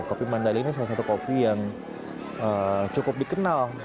kopi mandali ini salah satu kopi yang cukup dikenal